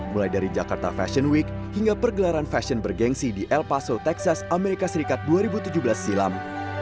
mulai dari jakarta fashion week hingga pergelaran fashion bergensi di elpaso texas amerika serikat dua ribu tujuh belas silam